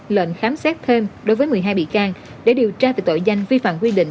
lệnh khám xét thêm đối với một mươi hai bị can để điều tra về tội danh vi phạm quy định